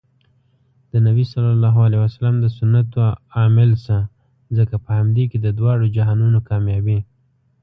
د نبي ص د سنتو عاملشه ځکه په همدې کې د دواړو جهانونو کامیابي